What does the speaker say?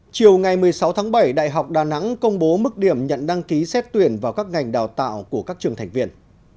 chiều ngày một mươi sáu tháng bảy đại học đà nẵng công bố mức điểm nhận đăng ký xét tuyển vào các ngành đào tạo của các trường thành viên